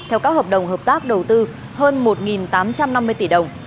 theo các hợp đồng hợp tác đầu tư hơn một tám trăm năm mươi tỷ đồng